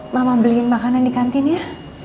mama beliin makanan di kantin ya